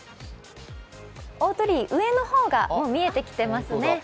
大鳥居、上の方がもう見えてきていますね。